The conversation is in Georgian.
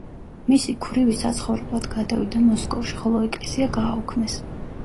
მისი ქვრივი საცხოვრებლად გადავიდა მოსკოვში, ხოლო ეკლესია გააუქმეს.